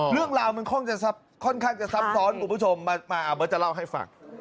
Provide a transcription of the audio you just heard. เรื่องราวมันค่อนข้างจะซ้ำซ้อนคุณผู้ชมมาเอาเบอร์จะเล่าให้ฟัง